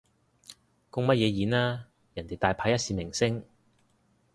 公乜嘢演啊，人哋大牌一線明星